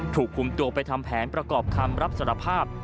ถูกคุมตัวไปทำแผนประกอบคำรับสารภาพ